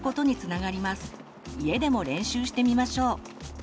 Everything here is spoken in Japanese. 家でも練習してみましょう。